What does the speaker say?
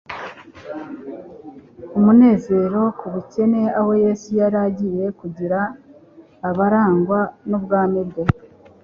Umunezero ku bakene abo Yesu yari agiye kugira abaragwa b'ubwami bwe.